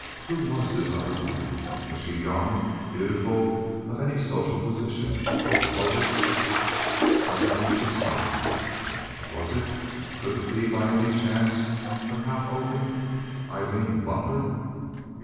Who was this other woman? Was she young, beautiful, of any social position? Was it—? Suddenly she stopped. Was it? Could it be, by any chance—her mouth opened—Aileen Butler?